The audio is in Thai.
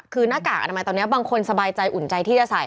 คือหน้ากากอนามัยตอนนี้บางคนสบายใจอุ่นใจที่จะใส่